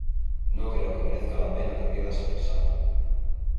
no creo que merezca la pena que pierdas el examen.